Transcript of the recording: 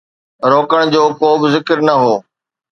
روڪڻ جو ڪو به ذڪر نه هو.